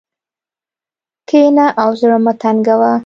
کښېنه او زړه مه تنګوه.